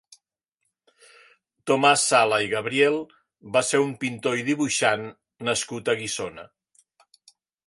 Tomàs Sala i Gabriel va ser un pintor i dibuixant nascut a Guissona.